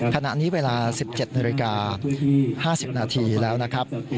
ขณะนี้เวลา๑๗นาฬิกา๕๐นาทีแล้วนะครับ